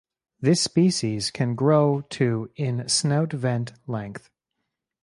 This species can grow to in snout–vent length.